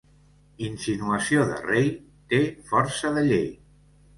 Insinuació de rei té força de llei.